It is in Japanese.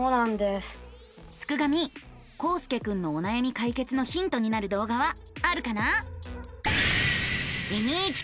すくガミこうすけくんのおなやみ解決のヒントになる動画はあるかな？